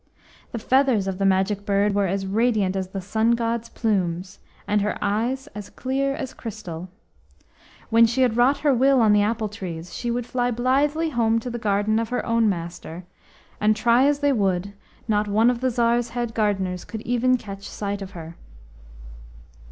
The feathers of the Magic Bird were as radiant as the sun god's plumes, and her eyes as clear as crystal. When she had wrought her will on the apple trees, she would fly blithely home to the garden of her own master, and, try as they would, not one of the Tsar's head gardeners could even catch sight of her.